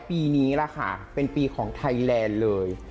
ปีนี้แหละค่ะเป็นปีของไทยแลนด์เลย